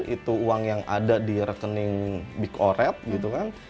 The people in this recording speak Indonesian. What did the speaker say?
itu uang yang ada di rekening big oret gitu kan